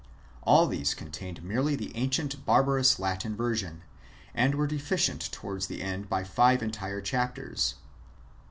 All these contained merely the ancient barbarous Latin version, and were deficient towards the end by five entire chapters.